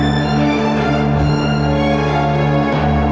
apa yang kamu lakukan mosteng ini